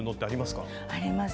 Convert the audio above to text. あります。